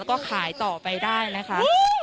ก็ขายต่อไปได้นะคะ